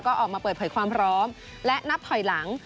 ก็ออกมาเปิดเผยความพร้อมและนับถอยหลัง